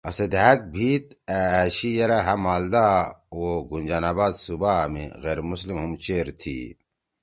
آسے دھأک بھیِت أ أشی یرأ ہأ مالدا او گنجان آباد صوبا می غیر مسلم ہُم چیر تھی